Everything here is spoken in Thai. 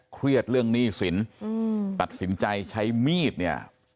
เครียดเรื่องหนี้สินตัดสินใจใช้มีดเนี่ย